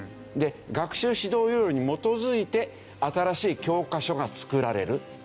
学習指導要領に基づいて新しい教科書が作られるという。